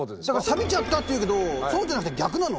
「サビちゃった」って言うけどそうじゃなくて逆なの。